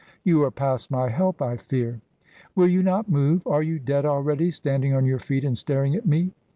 "You are past my help, I fear." "Will you not move? Are you dead already, standing on your feet and staring at me?"